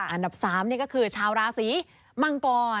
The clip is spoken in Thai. อันดับ๓นี่ก็คือชาวราศีมังกร